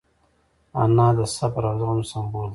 انا د صبر او زغم سمبول ده